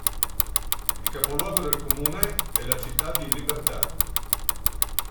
Il capoluogo del comune è la città di Libertad.